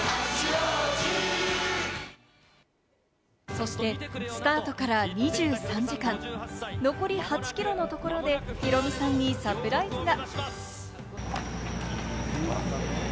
そしてスタートから２３時間、残り８ｋｍのところでヒロミさんにサプライズが。